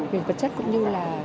về vật chất cũng như là